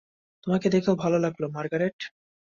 তোমাকে দেখেও ভালো লাগলো, মার্গারেট।